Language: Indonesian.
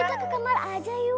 udah udah kita ke kamar aja yuk